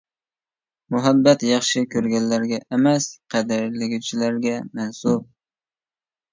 مۇھەببەت ياخشى كۆرگەنلەرگە ئەمەس، قەدىرلىگۈچىلەرگە مەنسۇپ!